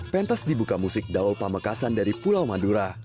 pentas dibuka musik daul pamekasan dari pulau madura